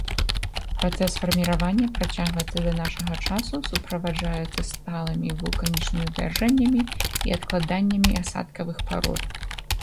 Працэс фарміравання працягваецца да нашага часу, суправаджаецца сталымі вулканічнымі вывяржэннямі і адкладаннямі асадкавых парод.